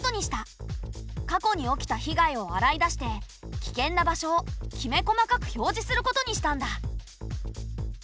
過去に起きた被害を洗い出して危険な場所をきめ細かく表示することにしたんだ。